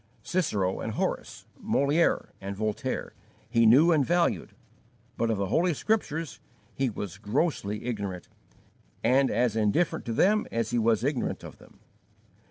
Cicero and Horace, Moliere and Voltaire, he knew and valued, but of the Holy Scriptures he was grossly ignorant, and as indifferent to them as he was ignorant of them.